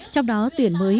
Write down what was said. trong đó tuyển mới